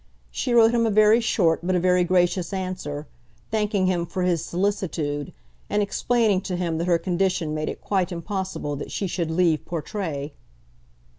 She wrote him a very short but a very gracious answer, thanking him for his solicitude, and explaining to him that her condition made it quite impossible that she should leave Portray.